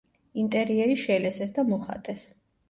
ინტერიერი შელესეს და მოხატეს.